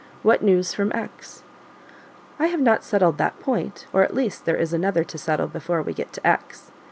What news from X ?" "I have not settled that point, or at least there is another to settle before we get to X